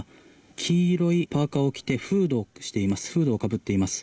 黄色いパーカを着てフードをかぶっています。